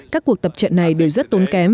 các cuộc tập trận này đều rất tốn kém